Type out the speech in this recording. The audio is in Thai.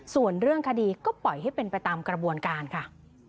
ส่วนเรื่องคดีก็ปล่อยให้เป็นไปตามกระบวนการค่ะ